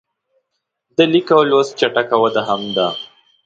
د لیک او لوست چټکه وده هم ده.